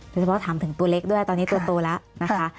เฉพาะถามถึงตัวเล็กด้วยตอนนี้ตัวโตแล้วนะคะ